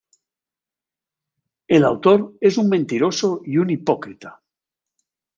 El autor es un mentiroso y un hipócrita".